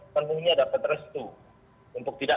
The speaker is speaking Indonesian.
penuhnya dapat restu untuk tidak